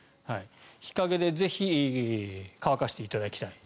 日陰でぜひ、乾かしていただきたい。